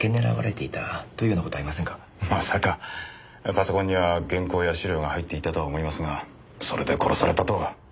パソコンには原稿や資料が入っていたとは思いますがそれで殺されたとは。